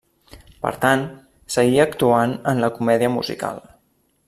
Per tant, seguí actuant en la comèdia musical.